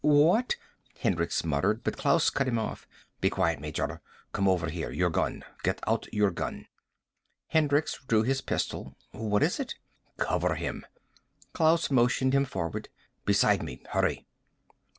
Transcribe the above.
"What " Hendricks muttered, but Klaus cut him off. "Be quiet, Major. Come over here. Your gun. Get out your gun." Hendricks drew his pistol. "What is it?" "Cover him." Klaus motioned him forward. "Beside me. Hurry!"